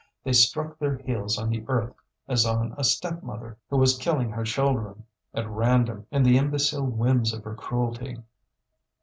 They struck their heels on the earth as on a stepmother who was killing her children at random in the imbecile whims of her cruelty.